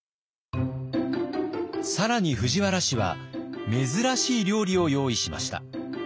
更に藤原氏は珍しい料理を用意しました。